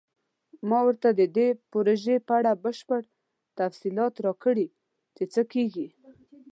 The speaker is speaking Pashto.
ما ته د دې پروژې په اړه بشپړ تفصیلات راکړئ چې څه کیږي